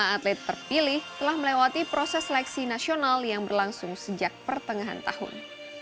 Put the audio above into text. lima atlet terpilih telah melewati proses seleksi nasional yang berlangsung sejak pertengahan tahun